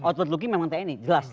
outward looking memang tni jelas